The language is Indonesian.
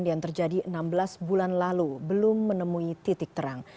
yang terjadi enam belas bulan lalu belum menemui titik terang